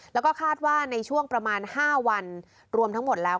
แล้วก็คาดว่าในช่วงประมาณ๕วันรวมทั้งหมดแล้ว